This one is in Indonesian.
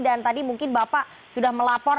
dan tadi mungkin bapak sudah melapor